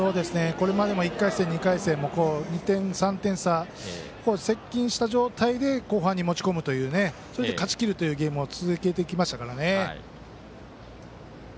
これまでも１回戦、２回戦も２点、３点差接近した状態で後半に持ち込んでそれで勝ちきるというゲームを続けてきましたからね。